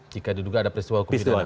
jika diduga ada peristiwa hukum pidana